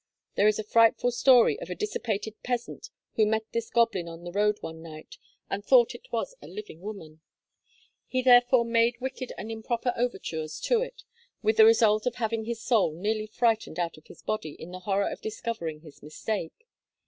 There is a frightful story of a dissipated peasant who met this goblin on the road one night, and thought it was a living woman; he therefore made wicked and improper overtures to it, with the result of having his soul nearly frightened out of his body in the horror of discovering his mistake.